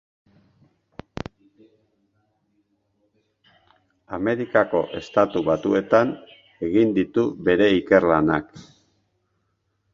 Amerikako Estatu Batuetan egin ditu bere ikerlanak.